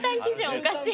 おかしい。